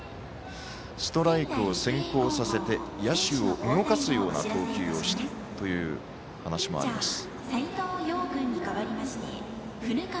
ストライクを先行させて野手を動かすような投球をしたいという話もありました。